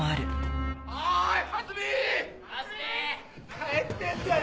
帰ってるんだろ！